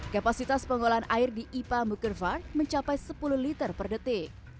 kapasitas pengolahan air di ipa mukerfar mencapai sepuluh liter per detik